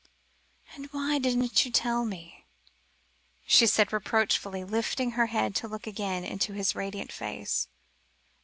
"And why didn't you tell me?" she said reproachfully, lifting her head to look again into his radiant face.